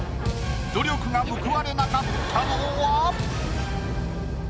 努力が報われなかったのは？